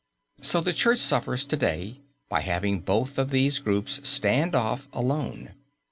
So the Church suffers to day by having both of these groups stand off alone.